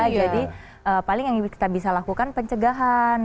jadi paling yang kita bisa lakukan pencegahan